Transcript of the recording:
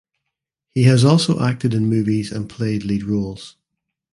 He has also acted in movies and played lead roles.